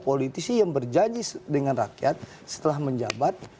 politisi yang berjanji dengan rakyat setelah menjabat